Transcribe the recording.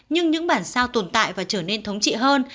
nhưng những bản sao tồn tại và trở nên thống trị hơn